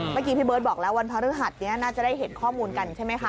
พี่เบิร์ตบอกแล้ววันพระฤหัสนี้น่าจะได้เห็นข้อมูลกันใช่ไหมคะ